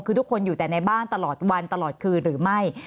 คือทุกคนอยู่แต่ในบ้านตลอดวันตลอดคืนหรือไม่